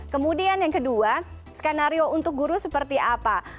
kemudian yang kedua skenario untuk guru seperti apa